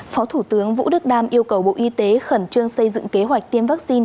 phó thủ tướng vũ đức đam yêu cầu bộ y tế khẩn trương xây dựng kế hoạch tiêm vaccine